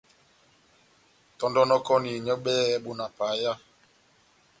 Tɔndonokɔni nywɛ bɛhɛpi bona paya.